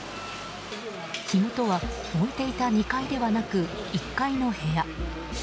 火元は、燃えていた２階ではなく１階の部屋。